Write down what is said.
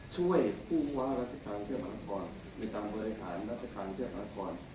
ช่วยผู้ว่าราชิการเที่ยวบรรทนครในการบริหารราชิการเที่ยวบรรทนคร